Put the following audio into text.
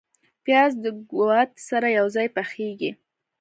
پیاز د ګاوتې سره یو ځای پخیږي